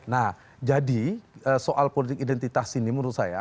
nah jadi soal politik identitas ini menurut saya